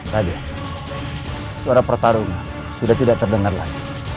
tadi suara pertarungan sudah tidak terdengar lagi